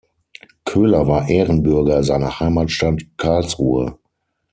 Köhler war Ehrenbürger seiner Heimatstadt Karlsruhe.